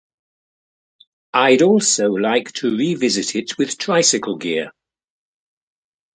I’d also like to revisit it with tricycle gear.